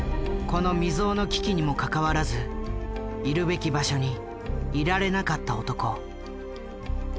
この未曽有の危機にもかかわらずいるべき場所にいられなかった男。